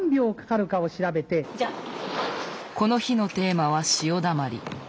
この日のテーマは「潮だまり」。